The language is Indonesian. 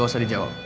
gak usah dijawab